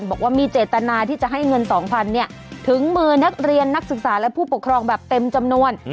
บอกว่ามีเจตนาที่จะให้เงิน๒๐๐ถึงมือนักเรียนนักศึกษาและผู้ปกครองแบบเต็มจำนวน